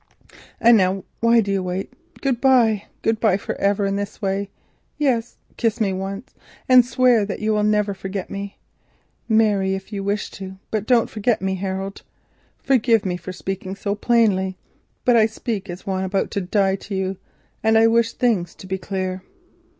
And—why do you wait? Good bye, good bye for ever in this way. Yes, kiss me once and swear that you will never forget me. Marry if you wish to; but don't forget me, Harold. Forgive me for speaking so plainly, but I speak as one about to die to you, and I wish things to be clear."